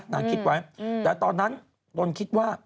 นางคิดไว้แต่ตอนนั้นตนคิดว่า